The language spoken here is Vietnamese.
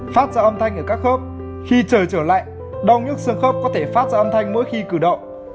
phát ra âm thanh ở các khớp khi trở trở lại đau nhất xương khớp có thể phát ra âm thanh mỗi khi cử động